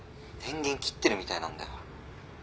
電源切ってるみたいなんだよ。